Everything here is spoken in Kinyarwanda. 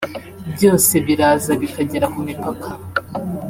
byose biraza bikagera ku mipaka